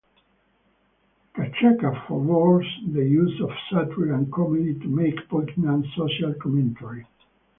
Kachaka favours the use of satire and comedy to make poignant social commentary.